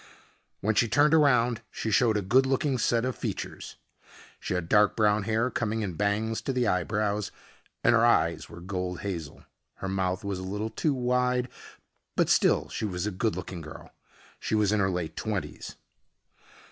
When she turned around she showed a good looking set of features. She had dark brown hair coming in bangs to the eyebrows, and her eyes were gold hazel. Her mouth was a little too wide, but still she was a good looking girl. She was in her late twenties.